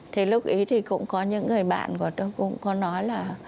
thì lúc ý thì cũng có những người bạn của tôi cũng có nói là